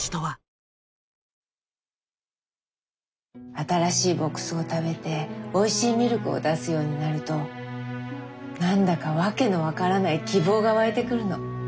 新しい牧草を食べておいしいミルクを出すようになると何だか訳の分からない希望が湧いてくるの。